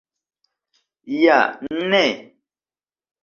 Ja ne!